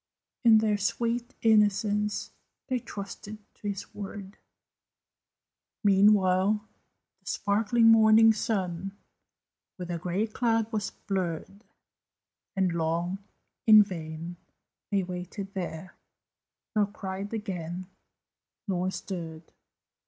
In their sweet innocence They trusted to his word; Meanwhile, the sparkling morning sun With a grey cloud was blurred; And long, in vain, they waited there, Nor cried again, nor stirred!